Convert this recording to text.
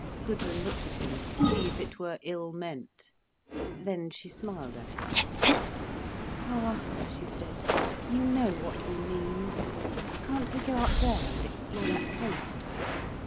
Gudrun looked at him, to see if it were ill meant. Then she smiled at him. "Ah," she said, "you know what we mean. Can't we go up there, and explore that coast?"